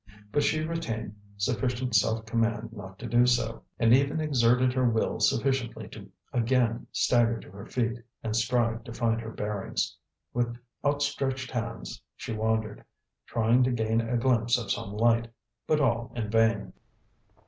But she retained sufficient self command not to do so, and even exerted her will sufficiently to again stagger to her feet, and strive to find her bearings. With outstretched hands she wandered, trying to gain a glimpse of some light, but all in vain.